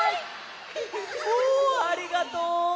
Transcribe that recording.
おありがとう！